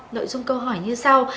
nội dung câu hỏi như sau